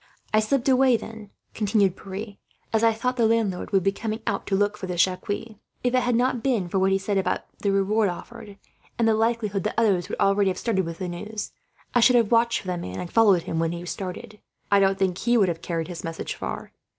"I slipped away then," continued Pierre, "as I thought the landlord would be coming out to look for this Jacques. If it had not been for what he said about the reward offered, and the likelihood that others would already have started with the news, I should have watched for the man and followed him when he started. I don't think he would have carried his message far.